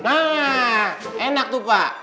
nah enak tuh pak